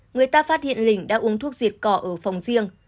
người ta phát hiện lình đã uống thuốc diệt cỏ ở phòng riêng